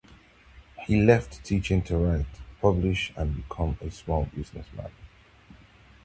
He left teaching to write, publish and become a small businessman.